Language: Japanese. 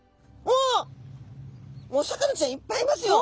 お魚ちゃんいっぱいいますよ！